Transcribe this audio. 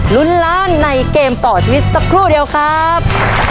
ลุ้นล้านในเกมต่อชีวิตสักครู่เดียวครับ